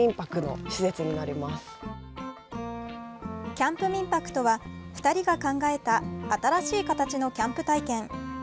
キャンプ民泊とは２人が考えた新しい形のキャンプ体験。